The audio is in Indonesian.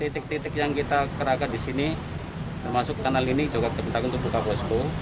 titik titik yang kita kerahkan di sini termasuk kanal ini juga kita untuk buka posko